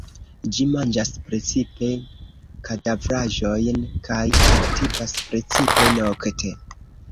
Ĝi manĝas precipe kadavraĵojn kaj aktivas precipe nokte.